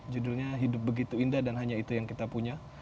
judulnya hidup begitu indah dan hanya itu yang kita punya